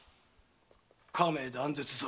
家名断絶ぞ！